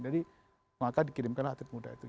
jadi makanya dikirimkan atlet muda itu